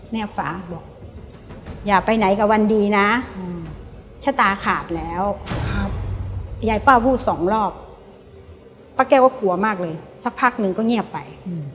ยายเป้าพูดสองรอบป้าแก้วก็กลัวมากเลยสักพักหนึ่งก็เงียบไป